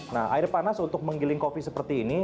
nah air panas untuk menggiling kopi seperti ini